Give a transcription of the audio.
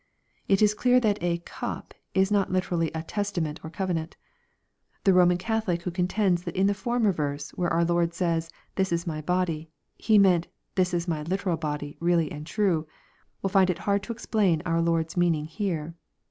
It is clear that a " cup" is not literally a " testament" or covenant. The Roman CathoUc who contends that in the former verse, where our Lord says, " this is my body," He meant " this is my hteral body, really and truly," will find it hard to explain our Lord's meaning here.